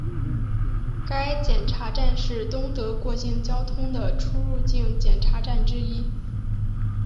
该检查站是东德过境交通的出入境检查站之一。